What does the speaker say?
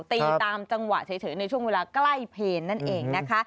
ตีตามจังหวะเฉยในช่วงเวลาใกล้เพลนั่นเองนะคะ